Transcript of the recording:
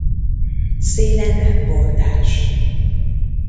Széle nem bordás.